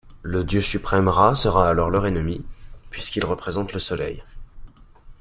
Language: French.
Le dieu suprême Râ sera alors leur ennemi, puisqu'il représente le Soleil.